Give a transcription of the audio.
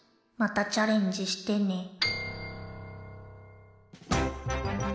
またチャレンジしてね。